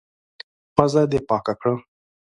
پزه دي پاکه کړه!